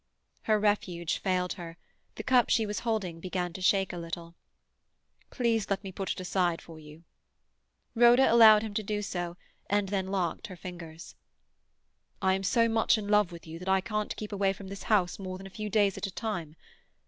Her refuge failed her. The cup she was holding began to shake a little. "Please let me put it aside for you." Rhoda allowed him to do so, and then locked her fingers. "I am so much in love with you that I can't keep away from this house more than a few days at a time.